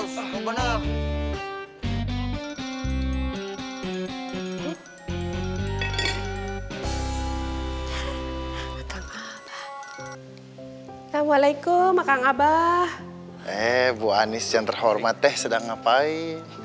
hai apa kabar maka ngabah eh bu anies yang terhormat teh sedang ngapain